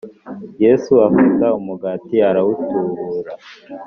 Yesu afata umugati arawutubura